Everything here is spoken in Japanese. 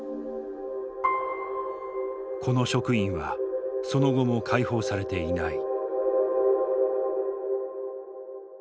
この職員はその後も解放されていない。